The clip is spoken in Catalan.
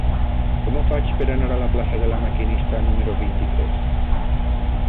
Com ho faig per anar a la plaça de La Maquinista número vint-i-tres?